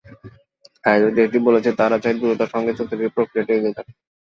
আয়োজক দেশটি বলেছে, তারা চায় দ্রুততার সঙ্গে চুক্তির প্রক্রিয়াটি এগিয়ে যাক।